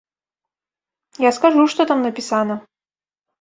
Я скажу, што там напісана!